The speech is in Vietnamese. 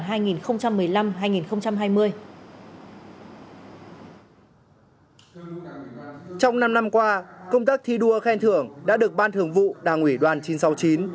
trong năm năm qua công tác thi đua khen thưởng đã được ban thường vụ đảng ủy đoàn chín trăm sáu mươi chín